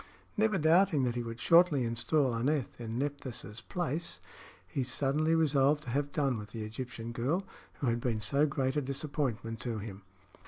Never doubting that he would shortly install Aneth in Nephthys' place, he suddenly resolved to have done with the Egyptian girl, who had been so great a disappointment to him.